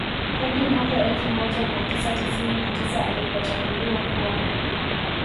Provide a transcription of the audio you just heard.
Hadi mwaka elfu moja mia tisa tisini na tisa alipochaguliwa kuwa